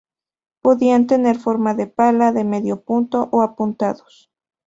Podían tener forma de pala, de medio punto o apuntados.